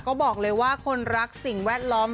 ก็บอกเลยว่าคนรักสิ่งแวดล้อม